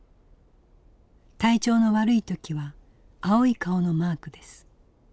体調の悪い時は青い顔のマークです。